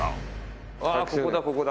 ああーここだ